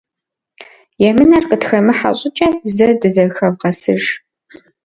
Емынэр къытхэмыхьэ щӏыкӏэ зэ дызэхэвгъэсыж.